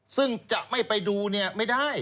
ซึ่งจะไม่ไปดูไม่ได้